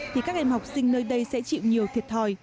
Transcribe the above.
thì các em học sinh nơi đây sẽ chịu nhiều thiệt thòi